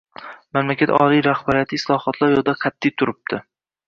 Mamlakat oliy rahbariyati islohotlar yoʻlida qatʼiy turibdi.